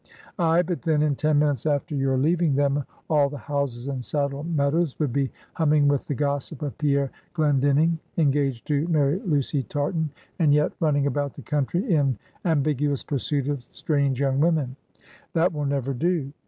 Ay; but then, in ten minutes after your leaving them, all the houses in Saddle Meadows would be humming with the gossip of Pierre Glendinning engaged to marry Lucy Tartan, and yet running about the country, in ambiguous pursuit of strange young women. That will never do.